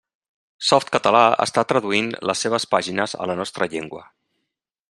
Softcatalà està traduint les seves pàgines a la nostra llengua.